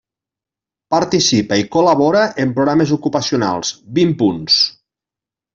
Participa i col·labora en programes ocupacionals, vint punts.